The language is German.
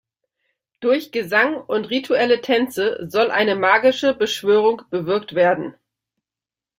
Durch Gesang und rituelle Tänze soll eine magische Beschwörung bewirkt werden.